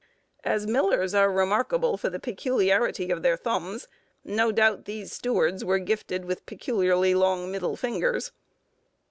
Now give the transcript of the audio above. As millers are remarkable for the peculiarity of their thumbs, no doubt these stewards were gifted with peculiarly long middle fingers.